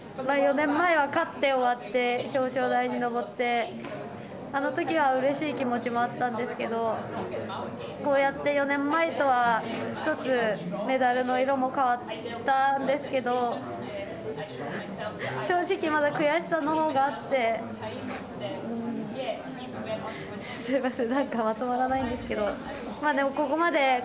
４年前は勝って終わって、表彰台に上って、あのときはうれしい気持ちもあったんですけど、こうやって４年前とは１つメダルの色も変わったんですけど、正直、まだ悔しさのほうがあって、すみません、なんかまとまらない